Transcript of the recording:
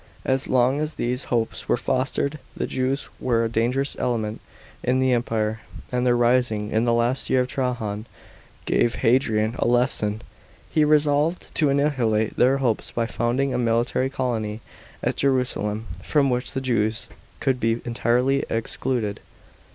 As long as these hopes were fostered the Jews were a dangerous element in the Empire, and their rising in the last year of Trajan gave Hadrian a lesson. He resolved to annihilate their hopes by founding a military colony at Jerusalem, from which the Jews should be entirely ex eluded.